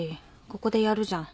ここでやるじゃん。